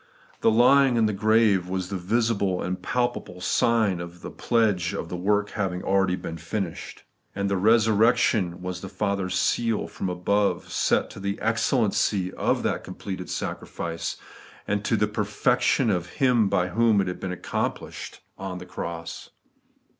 The lying in the grave was the visible and palpable sign or pledge of the work having been already finished ; and resurrection was the Father's seal from above set to the excellency of that completed sacrifice, a.nd to the perfection of Him by whom it had been fl,ccomplished on the cross.